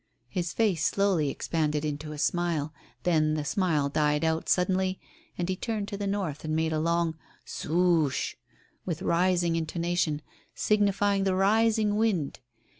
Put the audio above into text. His face slowly expanded into a smile. Then the smile died out suddenly and he turned to the north and made a long 'soo o o sh' with rising intonation, signifying the rising wind.